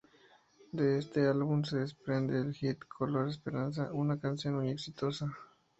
De este álbum se desprende el hit "Color esperanza", una canción muy exitosa.